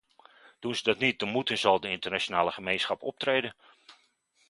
Doen ze dat niet, dan moet en zal de internationale gemeenschap optreden.